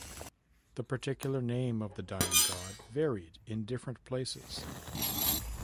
The particular name of the dying god varied in different places.